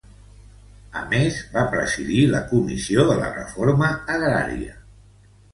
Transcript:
A més, va presidir la Comissió de la Reforma Agrària.